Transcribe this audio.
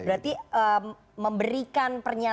berarti memberikan pertemuan